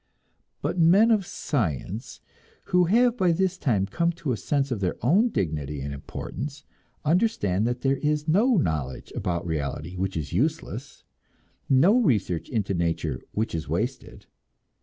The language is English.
But men of science, who have by this time come to a sense of their own dignity and importance, understand that there is no knowledge about reality which is useless, no research into nature which is wasted.